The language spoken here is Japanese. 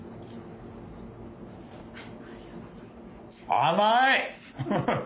甘い！